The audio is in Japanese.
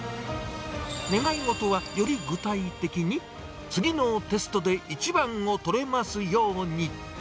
願い事はより具体的に、次のテストで一番を取れますように。